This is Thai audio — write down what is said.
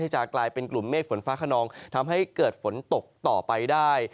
หลุมเมฆฝนฟ้าขนองทำให้เกิดฝนตกต่อไปได้